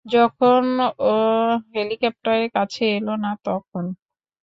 যখন ও হেলিকপ্টারের কাছে এলো না, তখন।